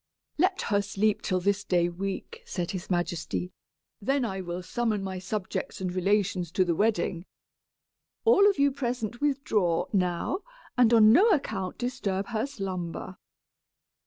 "Let her sleep here till this day week," said his majesty. "Then I will summon my subjects and relations to the wedding. All of you present withdraw, now, and on no account disturb her slumber."